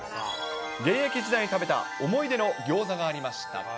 現役時代に食べた思い出のギョーザがありました。